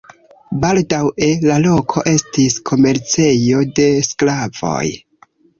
Baldaŭe la loko estis komercejo de sklavoj.